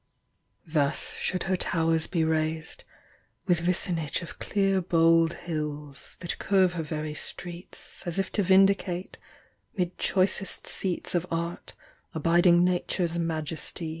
Thus should her towers be raised — with vicinage Of clear bold liills, that curve her very streets, As if to vindicate, 'mid choicest seats Of art, abiding Nature's majesty.